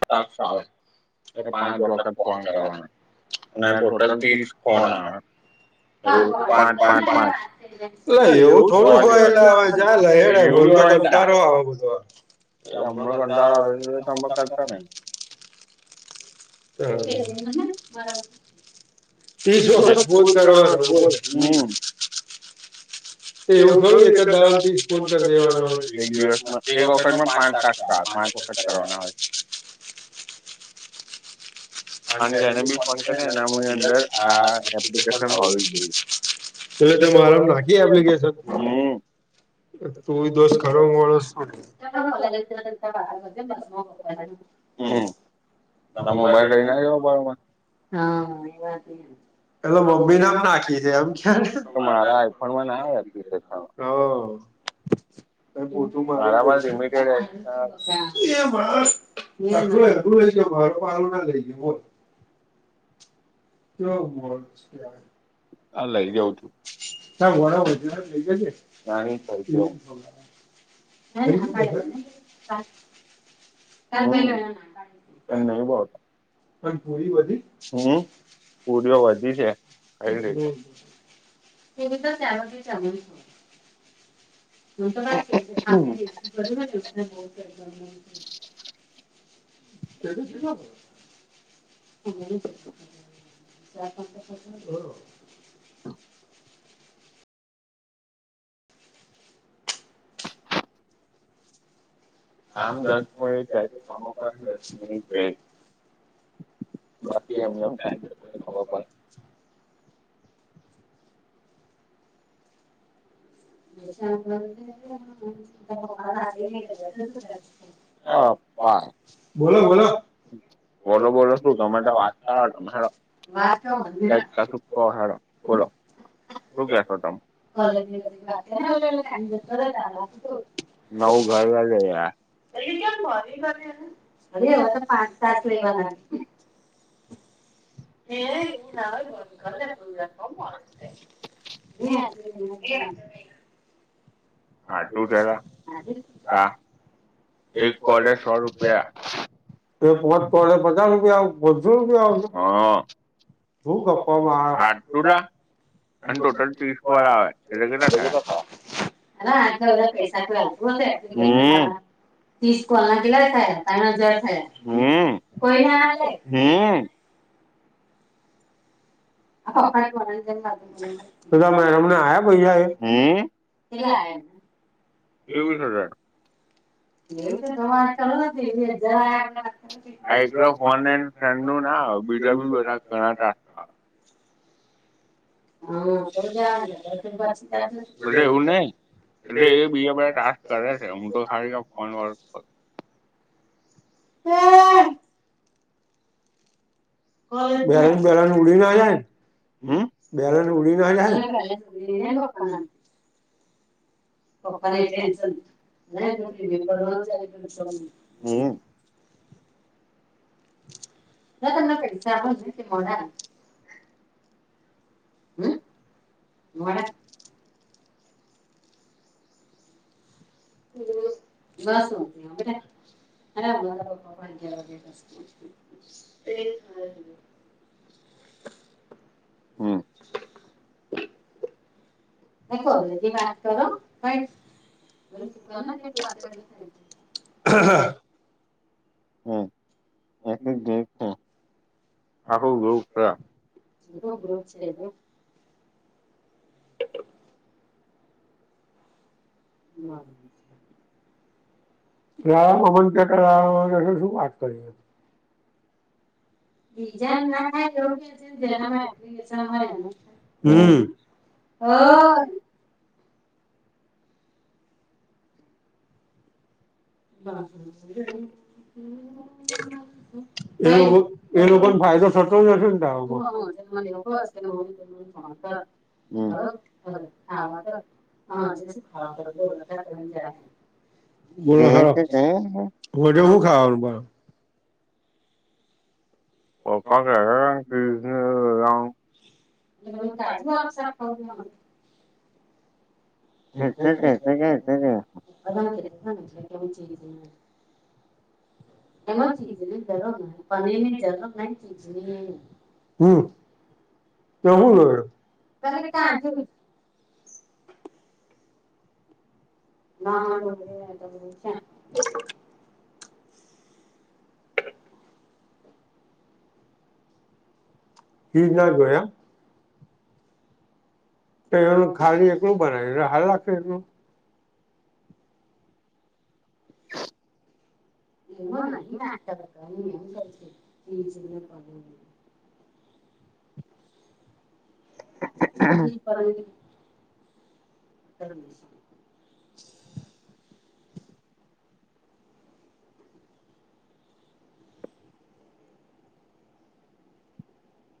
Task માં પાંચ વખત ફોન કરવાનું. ના, ટોટલ તીથ કેટલા? પાચ પાચ પાચ લ એવું થોડું હોય, એલે હવે જ લે એ. તો બધા માં. ને હા. ત્રીસ વખત ફોન કરવાનો બોલો. એવું થોડું એક જ દવા કરી દેવા, એક દિવસમાં એક વખતમાં પાંચ સાત પાંચ. વખત કરવાના હોય. અને જેને બી ફોન કરી, એનાની અંદર આ એપ્લિકેશન હોવી જોઈએ. એટલે તો મારા હમ. તું દોષ ખરો મળું. હમ, નમંગ બર હા, એ વાત એ પેલો મમ્મી ના નાખી છે એમ ક્યાને. પોટુ મારે છે એ. જો દર પણું નથી. કેવું મળે છે? સા વણા ઓરજન લઈ જશે. હ કાલલો ટાઈટલ આવતા નથી એટલે મૂકવામાં આવ્યો નથી એ ને બો. હમ, પુરીઓ વધી છે, કંઈ ર એ તો તેમાંથી જ છે. હું તો ખા કેડ. ચાર-પાંચ. આ હોય ત સમ ર ગ બાકી એમને ખબર. ટાઇટલ ન હોવાથી મૂકવામાં આવ્યો નથી હ, બોલો, બોલો. બોલો બોલો, શું તમે વાત તમા છપ હારો બોલો લે નવ ઘર જ. સાસ લેવા નથી. એ ઉ ના હોય, ગ કરલે પ્રોગ હો. હમ. હા, ટું કલા, હા. એક. એ પહોંચ તોડે પચાસ રૂપિયા આવે, સો રૂપિયા આવશે. શું ગપ્પામાં લખવા. હ, આધ પૈસા. તીસ કોલ ના કેટલા થયા. [unintelligible] હમ્મ. કેટલા આવ્યા તેવીસ હજાર. [unintelligible] ઠંડુ ના આવે બીજા બી બધા ઘણાતા. હા [unintelligible] [unintelligible] [unintelligible] બસ ઘરે ને ઘરે ઉડીને આયા ને. બેલન ઉડી ના જાય ને. [unintelligible] [unintelligible] પપ્પા ને ટેન્શન. [unintelligible] [unintelligible] [unintelligible] હમ મારા. [unintelligible] [unintelligible] હમ્મ. [unintelligible] [unintelligible] હમ. [unintelligible] આખું ગ્રુપ છે કેટલો ગ્રોથ છે જો. [unintelligible] લ મનાવ શું વાત કરી. [unintelligible] [unintelligible] [inaudible] એ લોકો એ લોકોને ફાયદો થતો જ નથી ને. [unintelligible] [unintelligible] મને હું ખાવાનું બનાવ. [unintelligible] કાજ વાળું શાક ખાવું. [unintelligible] તમે કેતા થા ને એટલે. [unintelligible] એમાં ચીની જરૂર ન પનીર ની જરૂર નહી. હમ તો હું જોવે ખાલી કાજુ જ. [unintelligible] ચીઝ ના જોઈ એમ. તો એનું ખાલી એકલું બનાય હારુ લાગશે એકલું. [unintelligible] [unintelligible] [unintelligible]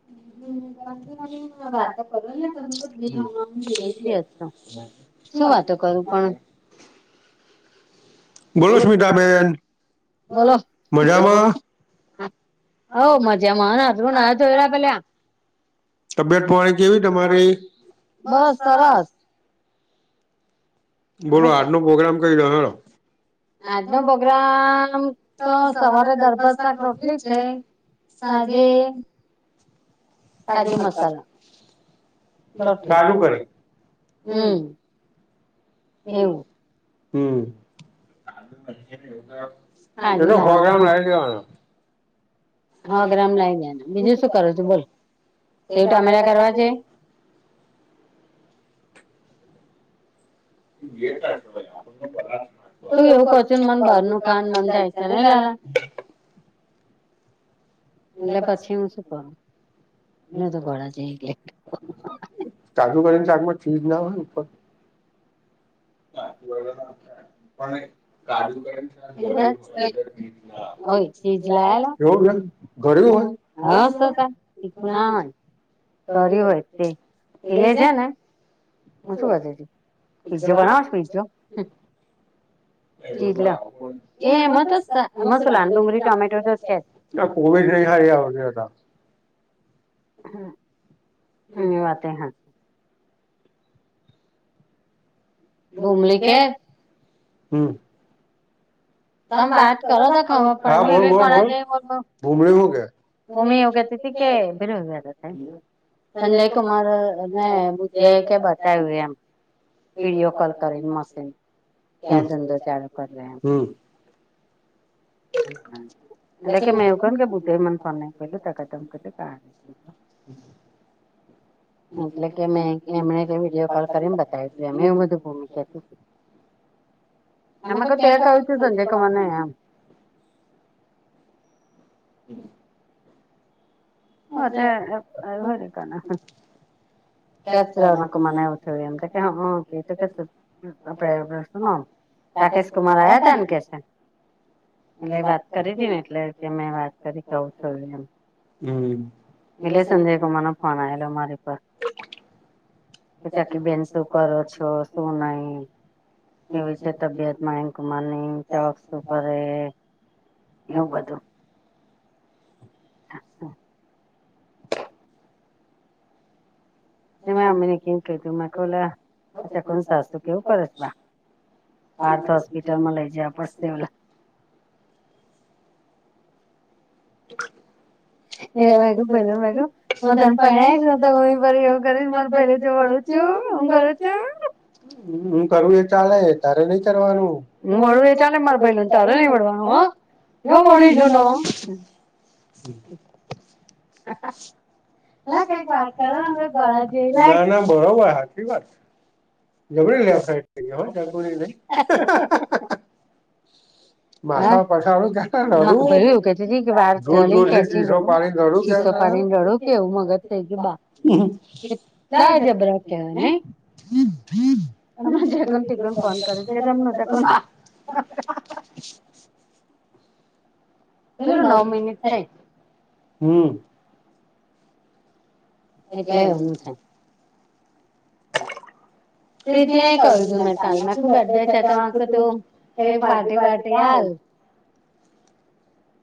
[unintelligible] [unintelligible] બોલો અસ્મિતા બેન બોલો મજામાં. હવ મજામાં આ જોને આ રયા ભઇલા. તબિતરી તમા બસ સરસ બોલો આજ ન પ્રોગ્રામ ક દ્યો હરો આજનો પ્રોગ્રામ તો સવારે દાળ ભાત શાક રોટલી છે. સાંજે. કાજુ મસાલા રોટલી હમ. હમ. [unintelligible] એ તો ફગ્રામ લલીવાનું હ ગ્રામ લાગ જયાનું બીજું શું કરું છું બોલ એવું અરે કરવા છે તો એવું કર બાજુ કાય છે ના [inaudible] એને પછ સાજુ કરીને શાકમાં ચીજ ના હોય ઉપર નાા ના પણ કાજુ એવું છે ઘરું હોય સરી હોય તે કીલે છે ને હું શું કતી પીજો બનાવો છ પીજો હમ એ બસ મસ ભડરી ટમેટર ના કોવડ નહી હાય આવ એ હમ બ વા બ હમ તમે બાત કરો તો ખબર પડે ભૂમી ઉયોગાતી હતી કે ભિર એ સંજય કુમાર ને બધ્યાએ કે બતાવ્યું એમ વિડિયો કોલ કરી મશન ક્યાં ધંધો ચાલુ કર [inaudible] એટ લલે કે મેં એું કહ કે બુધ મને ફ ત કતમ ક હમ એટલે કે મેં એમને વિડીયો કોલ કરીને બતાવ્યું તું એ એવું બધું ભૂમિક તું તે ક આવી છે સંધ્યા કમાંના આમ હમ હ તે હો ક કેચરામાંને એવું થયું એમ કે કે કે આપ શનો રાકેશ કુમાર આયાતન કે છે એટલે વાત કરી હતીી ને એટલે કે મેમે વાત કરી કહ છો એમ હમ એલે સંજય કમા ના ફોન આયલો મારે પર કે ચાકી બેન શું કરો છો શું નહી એવી છે તબિયત માયનકુમાર ની ચોકર એવ બધ હ મેં અમ ને કેમ ક્યું તું મે કલા અચ્છા કોણ સાસુ કેવું કરે છે હાર તો હોસ્પિટલ માં લઈ જ પણ સિવલ [inaudible] એ મે ગું પેલ મે ત પય જ ન ગ બર એવું કરે મને પહેલી જે વળું તું બર છે હ કરું એ ચાલે તારે નઈ કરવાનું. સવા કે પ છે તું [unintelligible] હ [unintelligible] હ કક વાત ના ના બરોબર હાખી વાત જબરી લે ફરી નઈ હ ભું એવું કેતી હતી કે વાર જણી કેતી ખીસો પાડી ને રડો કેવું ગ જા એટલા જબરા કેવાય નને અમે જેક તીગન [unintelligible] ફોન કરીશ કે જેમજ કો [unintelligible] એે નકરી [unintelligible] હમ એટલે હું છે. પ્રીતિ ને કહ્યું તું મેં કાલ. મેકું બથૅડે છેતો માકું તું એ [unintelligible] પાર્ટી વાટી આલ.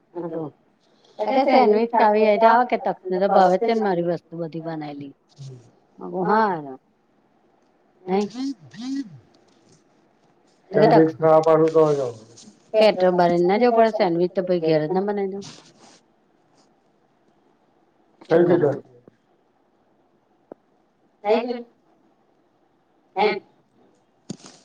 હ [unintelligible] તો કે સેન્ડવીચ ખાવી હોયતો કે તક્ષને તો ભાવે જ છેને મારી વસ્તુ બધી બનાયેલી. હ હો હાર. ચડી સા તો [unintelligible] પેટ [unintelligible] થાયકીયુ દેવ. [unintelligible] હે